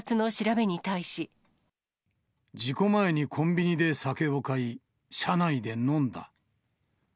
事故前にコンビニで酒を買い、車内で飲んだ。